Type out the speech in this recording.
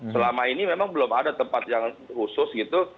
selama ini memang belum ada tempat yang khusus gitu